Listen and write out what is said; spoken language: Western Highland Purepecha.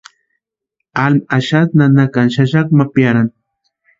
Alma axasti nanakani xaxakwa ma piarani.